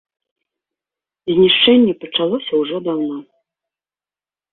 Знішчэнне пачалося ўжо даўно.